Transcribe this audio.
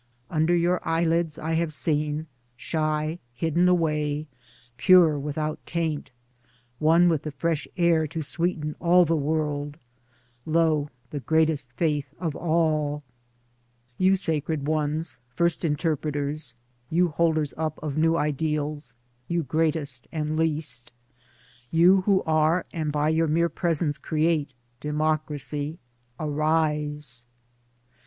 Under your eyelids I have seen, shy, hidden away, pure without taint, one with the fresh air to sweeten all the world — lo ! the greatest faith of all. 30 Towards Democracy You sacred ones, first interpreters, you holders up of new ideals, you greatest and least, You who are and by your mere presence create Demo cracy— Arise